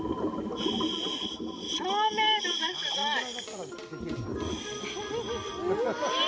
透明度がすごい。